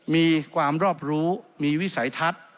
มีความรอบรู้มีวิสัยทัศน์